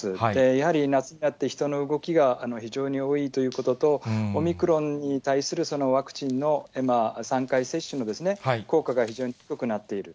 やはり夏になって人の動きが非常に多いということと、オミクロンに対するワクチンの３回接種の効果が非常に低くなっている。